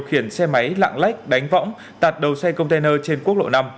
khiển xe máy lạng lách đánh võng tạt đầu xe container trên quốc lộ năm